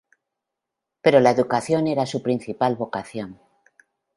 Pero la educación era su principal vocación.